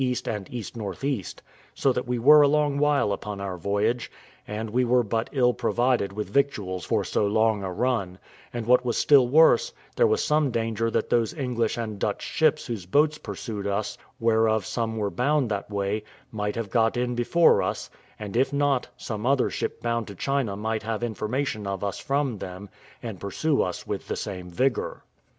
and ENE., so that we were a long while upon our voyage, and we were but ill provided with victuals for so long a run; and what was still worse, there was some danger that those English and Dutch ships whose boats pursued us, whereof some were bound that way, might have got in before us, and if not, some other ship bound to China might have information of us from them, and pursue us with the same vigour.